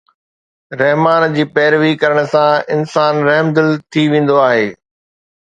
رحمان جي پيروي ڪرڻ سان انسان رحمدل ٿي ويندو آهي.